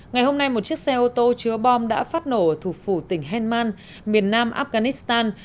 ngày hôm nay một chiếc xe ô tô chứa bom đã phát nổ ở thủ phủ tỉnh henman miền nam afghanistan